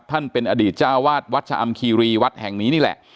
ท่านเป็นอดีตเจ้าวาดวัดชะอำคีรีวัดแห่งนี้นี่แหละ